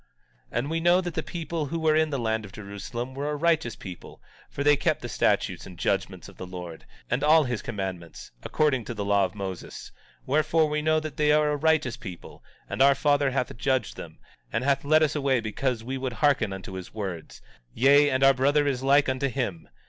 17:22 And we know that the people who were in the land of Jerusalem were a righteous people; for they kept the statutes and judgments of the Lord, and all his commandments, according to the law of Moses; wherefore, we know that they are a righteous people; and our father hath judged them, and hath led us away because we would hearken unto his words; yea, and our brother is like unto him.